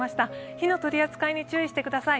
火の取り扱いに注意してください。